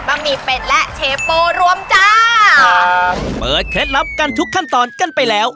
หมี่เป็ดและเชโปรวมจ้าเปิดเคล็ดลับกันทุกขั้นตอนกันไปแล้ว